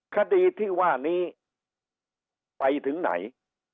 คดีที่ว่านี้ไปถึงไหน